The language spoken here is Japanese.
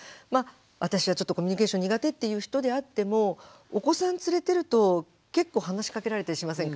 私はちょっとコミュニケーション苦手っていう人であってもお子さん連れてると結構話しかけられたりしませんか？